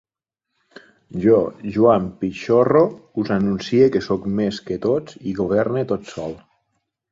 Jo, Joan Pixorro, us anuncie que soc més que tots i governe tot sol.